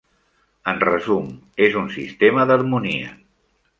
En resum, és un sistema d'harmonia.